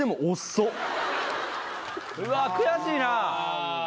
うわぁ悔しいな。